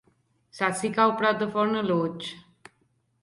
Saps si cau a prop de Fornalutx?